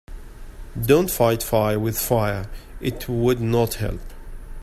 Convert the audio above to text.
Don‘t fight fire with fire, it would not help.